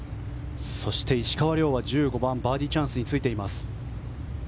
石川遼は１５番バーディーチャンスについています。